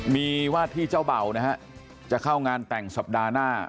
มีวาดที่เจ้าเบ่านะฮะจะเข้างานแต่งสัปดาห์หน้า